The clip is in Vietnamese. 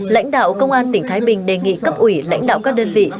lãnh đạo công an tỉnh thái bình đề nghị cấp ủy lãnh đạo các đơn vị